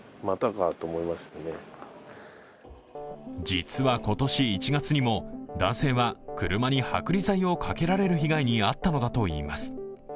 実は今年１月にも男性は車に剥離剤をかけられる被害に遭ったのだといいます。